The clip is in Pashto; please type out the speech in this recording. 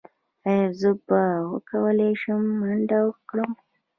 ایا زه به وکولی شم منډه کړم؟